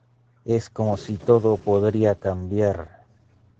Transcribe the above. Es como si todo podría cambiar".